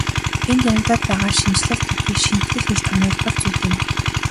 Энд яригдаад байгаа шинэчлэл гэдгийг шинэтгэл гэж томьёолбол зүйтэй мэт.